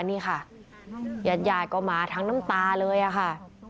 นี่ครับญาติก็ม้าทั้งน้ำตาเลยค่ะ